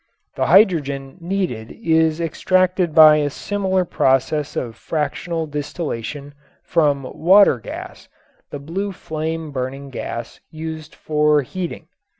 The hydrogen needed is extracted by a similar process of fractional distillation from "water gas," the blue flame burning gas used for heating.